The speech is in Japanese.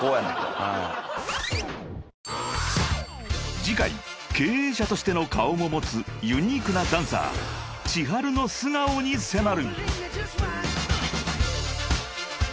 ［次回経営者としての顔も持つユニークなダンサーｃｈｉｈａｒｕの素顔に迫る］